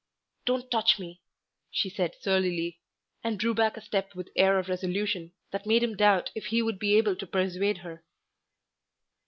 "Don't touch me," she said surlily, and drew back a step with air of resolution that made him doubt if he would be able to persuade her.